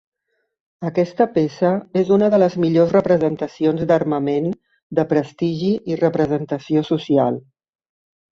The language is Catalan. Aquesta peça és una de les millors representacions d'armament de prestigi i representació social.